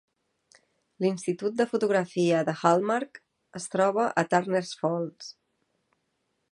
L'Institut de Fotografia de Hallmark es troba a Turners Falls.